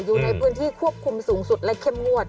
อยู่ในพื้นที่ควบคุมสูงสุดและเข้มงวด